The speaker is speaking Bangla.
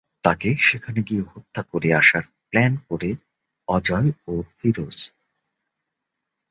তাকে সেখানে গিয়ে হত্যা করে আসার প্ল্যান করে অজয় ও ফিরোজ।